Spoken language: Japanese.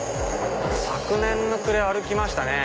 昨年の暮れ歩きましたね。